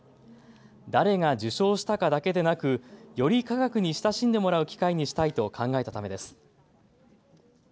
誰が受賞したかだけでなくより科学に親しんでもらう機会にしたいと考えたためです。